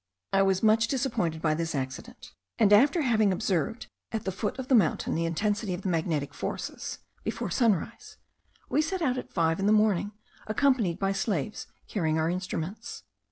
I was much disappointed by this accident; and after having observed at the foot of the mountain the intensity of the magnetic forces, before sunrise, we set out at five in the morning, accompanied by slaves carrying our instruments.